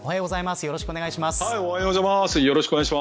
よろしくお願いします。